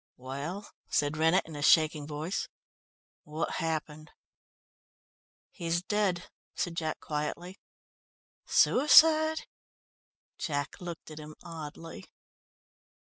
"Well?" said Rennett, in a shaking voice, "what happened?" "He's dead," said Jack quietly. "Suicide?" Jack looked at him oddly.